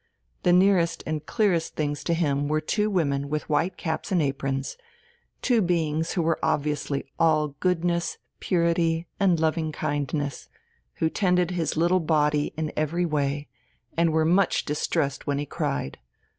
The nearest and clearest things to him were two women with white caps and aprons, two beings who were obviously all goodness, purity, and loving kindness, who tended his little body in every way, and were much distressed when he cried....